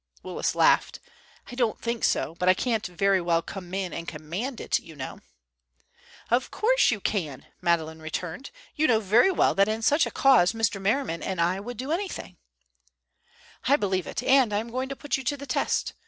Willis laughed. "I don't think so. But I can't very well come in and command it, you know." "Of course you can," Madeleine returned. "You know very well that in such a cause Mr. Merriman and I would do anything." "I believe it, and I am going to put you to the test.